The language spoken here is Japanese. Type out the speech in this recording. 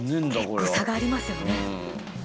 結構差がありますよね。